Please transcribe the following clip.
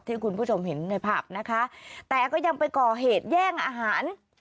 ที่คุณผู้ชมเห็นในภาพนะคะแต่ก็ยังไปก่อเหตุแย่งอาหาร